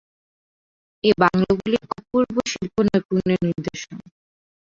এই বাংলোগুলি অপূর্ব শিল্পনৈপুণ্যের নিদর্শন।